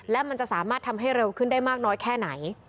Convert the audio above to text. และมันจะสามารถทำให้เร็วขึ้นได้มากน้อยแค่ไหน